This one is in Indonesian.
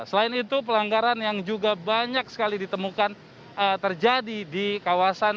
selain itu pelanggaran yang juga banyak sekali ditemukan terjadi di kawasan